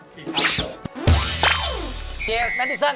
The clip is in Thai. จีเอสแมทิสัน